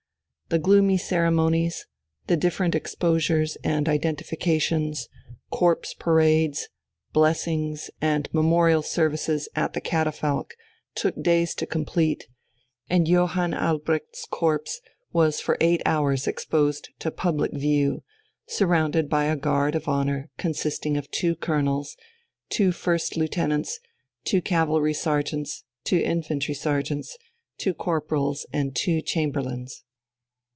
The gloomy ceremonies, the different exposures and identifications, corpse parades, blessings, and memorial services at the catafalque took days to complete, and Johann Albrecht's corpse was for eight hours exposed to public view, surrounded by a guard of honour consisting of two colonels, two first lieutenants, two cavalry sergeants, two infantry sergeants, two corporals, and two chamberlains.